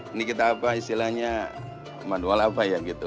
ini kita apa istilahnya manual apa ya gitu